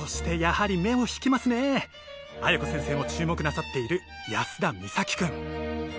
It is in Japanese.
そしてやはり目を引きますね綾子先生も注目なさっている安田海咲君。